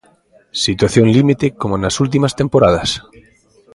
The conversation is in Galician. Situación límite como nas últimas temporadas.